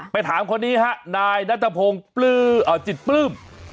ถามคนนี้ฮะนายนัทพงศ์จิตปลื้ม